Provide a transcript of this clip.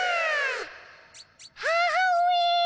母上！